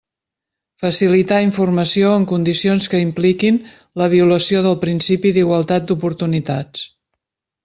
Facilitar informació en condicions que impliquin la violació del principi d'igualtat d'oportunitats.